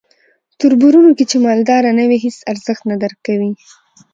توربرونو کې چې مالداره نه وې هیس ارزښت نه درکوي.